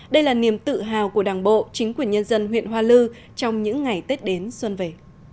đây là niềm tự hào của đảng bộ chính quyền nhân dân huyện hoa lư trong những ngày tết đến xuân về